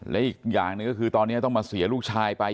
และอีกอย่างหนึ่งก็คือตอนนี้ต้องมาเสียลูกชายไป